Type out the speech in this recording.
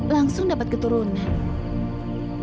langsung dapat keturunan